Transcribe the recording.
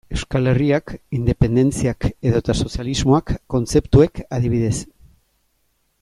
Euskal Herriak, independentziak edota sozialismoak kontzeptuek, adibidez.